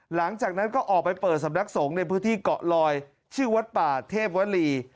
หลังจากนั้นก็ออกไปเปิดสำนักสงฆ์ในพื้นที่เกาะลอยชื่อวัดป่าเทพวลี